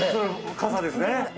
笠ですね。